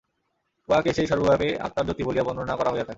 উহাকে সেই সর্বব্যাপী আত্মার জ্যোতি বলিয়া বর্ণনা করা হইয়া থাকে।